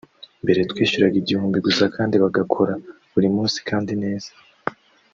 Mbere twishyuraga igihumbi gusa kandi bagakora buri munsi kandi neza